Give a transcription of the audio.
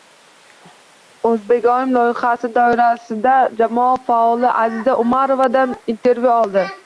O'zbegoyim loyihasi doirasida jamoa faoli Aziza Umarovadan intervyu oldi